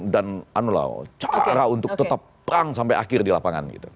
dan cara untuk tetap perang sampai akhir di lapangan